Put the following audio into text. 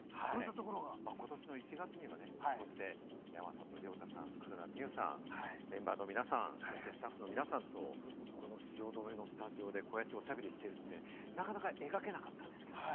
ことしの１月にはね、こうして山里亮太さん、黒田みゆさん、メンバーの皆さん、そしてスタッフの皆さんと、この汐留のスタジオでこうやってお喋りしてるって、なかなか描けなかったんですけれど。